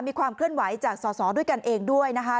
มีความเคลื่อนไหวจากสอสอด้วยกันเองด้วยนะคะ